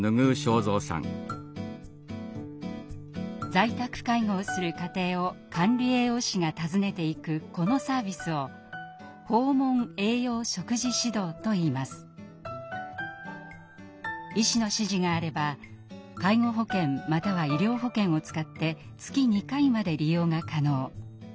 在宅介護をする家庭を管理栄養士が訪ねていくこのサービスを医師の指示があれば介護保険または医療保険を使って月２回まで利用が可能。